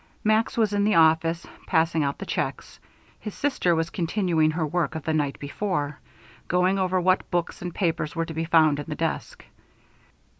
Max was in the office, passing out the checks. His sister was continuing her work of the night before, going over what books and papers were to be found in the desk.